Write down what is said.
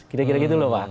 kira kira gitu loh pak